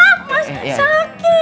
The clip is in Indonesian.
ah ah mas ah mas sakit